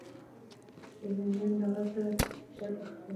سیلانیان د غره سر ته ختلي دي.